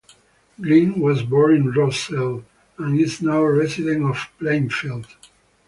Green was born in Roselle and is now a resident of Plainfield.